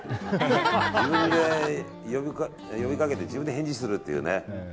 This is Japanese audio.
自分で呼びかけて自分で返事するっていうね。